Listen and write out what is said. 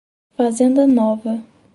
Fazenda Nova